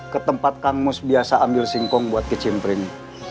ke tempat kang mus biasa ambil singkong buat kecimpring